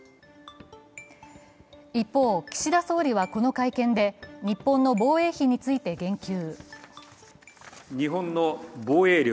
一方、岸田総理はこの会見で日本の防衛費について言及。